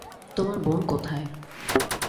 তোমার বোন কোথায়?